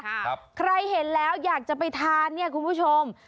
ใครเห็นแล้วอยากจะไปทานเนี่ยคุณผู้ชม